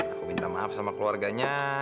aku minta maaf sama keluarganya